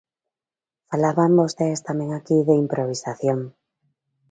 Falaban vostedes tamén aquí de improvisación.